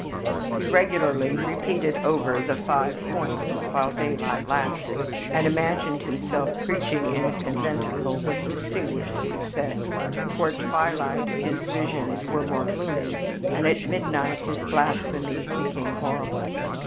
He regularly repeated over the five points while daylight lasted, and imagined himself preaching in a conventicle with distinguished success; toward twilight his visions were more gloomy, and at midnight his blasphemies became horrible.